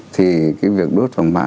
thì cái việc đốt vàng mã